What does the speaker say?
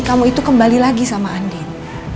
kamu itu kembali lagi sama andin